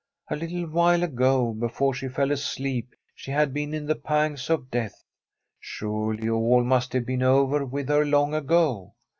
A little while ago, before she fell asleep, she had been in the pangs of death. Surely, all must have been over with her long ago.